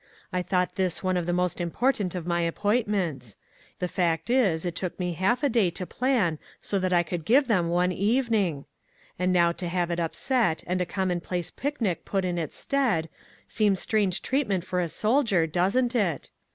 I thought this one of the most important of my ap pointments ; the fact is, it took me half a day to plan so that I could give them one evening; and now to have it upset and a commonplace picnic put in its stead, seems strange treatment for a soldier, doesn't it?